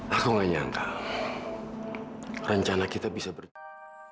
aku gak nyangka rencana kita bisa berjalan